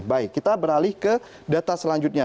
baik kita beralih ke data selanjutnya